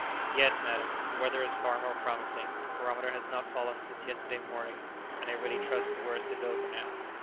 "Yes, madam, the weather is far more promising; the barometer has not fallen since yesterday morning, and I really trust the worst is over now."